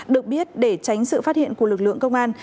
được biết để tránh sự phát hiện của lực lượng công an